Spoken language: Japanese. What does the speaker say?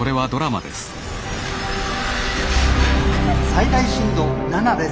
「最大震度７です。